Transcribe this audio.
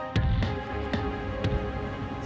escapanan datang dari